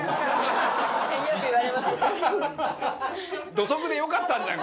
土足でよかったんじゃん